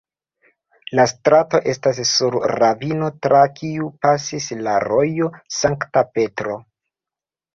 La strato estas sur ravino tra kiu pasis la rojo Sankta Petro.